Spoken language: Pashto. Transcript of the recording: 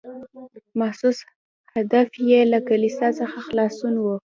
محسوس هدف یې له کلیسا څخه خلاصون و.